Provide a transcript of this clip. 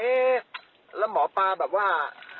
เอ๊ะแล้วหมอปลาแบบว่า